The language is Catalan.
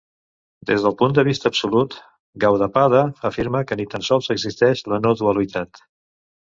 Des del punt de vista absolut, Gaudapada afirma que ni tan sols existeix la no dualitat.